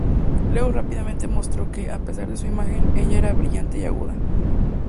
Lewis rápidamente mostró que, a pesar de su imagen, ella era brillante y aguda.